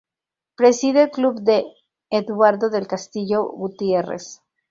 Preside el club D. Eduardo Del Castillo Gutierrez.